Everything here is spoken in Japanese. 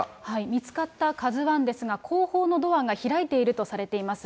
見つかったカズワンですが、後方のドアが開いているとされています。